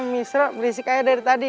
misro berisik ayah dari tadi